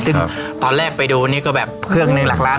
ซึ่งตอนแรกไปดูนี่ก็แบบเครื่องหนึ่งหลักล้าน